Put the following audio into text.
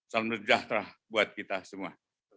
salam sejahtera buat kita semua